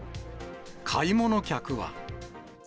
買い物客は。